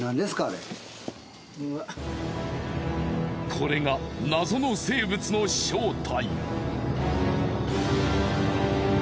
これが謎の生物の正体。